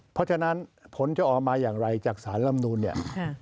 เพราะฉะนั้นผลจะออกมาอย่างไรจากสารลำนูนเนี่ย